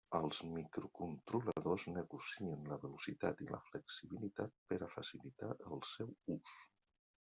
Els microcontroladors negocien la velocitat i la flexibilitat per a facilitar el seu ús.